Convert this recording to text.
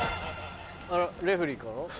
あらレフェリーかな？